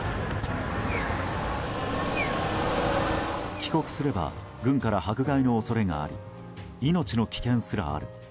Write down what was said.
帰国すれば軍から迫害の恐れがあり命の危険すらある。